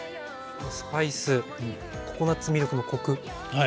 スパイスココナツミルクのコク。